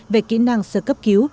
về kỹ năng sơ cấp cứu